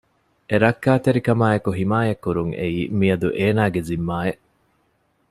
އެ ރައްކަތެރިކަމާއެކު ހިމާޔަތް ކުރުން އެއީ މިއަދު އޭނާގެ ޒިންމާއެއް